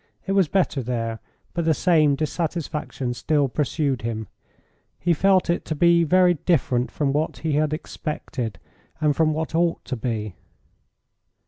It was better there, but the same dissatisfaction still pursued him; he felt it to be very different from what he had expected, and from what ought to be.